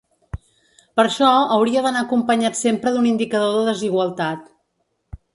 Per això hauria d’anar acompanyat sempre d’un indicador de desigualtat.